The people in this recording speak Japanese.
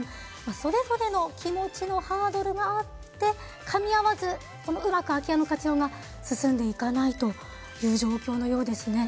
それぞれの気持ちのハードルがあってかみ合わずうまく空き家の活用が進んでいかないという状況のようですね。